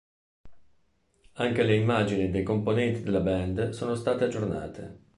Anche le immagini dei componenti della band sono state aggiornate.